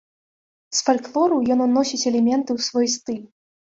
З фальклору ён уносіць элементы ў свой стыль.